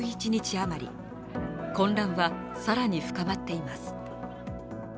あまり、混乱は更に深まっています。